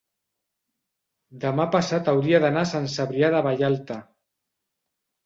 demà passat hauria d'anar a Sant Cebrià de Vallalta.